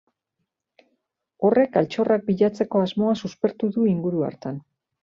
Horrek altxorrak bilatzeko asmoa suspertu du inguru hartan.